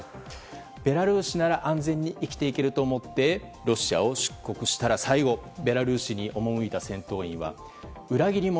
ベラルーシなら安全に生きていけると思ってロシアを出国したら最後ベラルーシに赴いた戦闘員は裏切り者